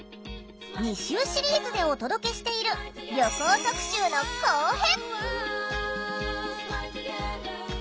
２週シリーズでお届けしている旅行特集の後編！